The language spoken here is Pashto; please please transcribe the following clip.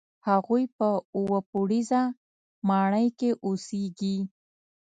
هغوی په اووه پوړیزه ماڼۍ کې اوسېږي.